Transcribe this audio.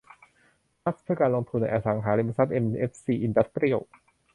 ทรัสต์เพื่อการลงทุนในอสังหาริมทรัพย์เอ็มเอฟซีอินดัสเตรียล